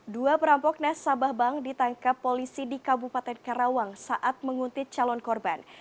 dua perampok nasabah bank ditangkap polisi di kabupaten karawang saat menguntit calon korban